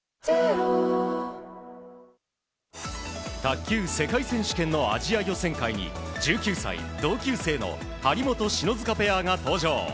卓球世界選手権のアジア予選会に１９歳、同級生の張本、篠塚ペアが登場。